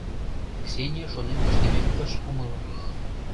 Ксения шонен пыштымем ыш умыло...